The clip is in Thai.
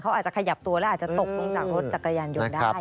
เขาอาจจะขยับตัวแล้วอาจจะตกลงจากรถจักรยานยนต์ได้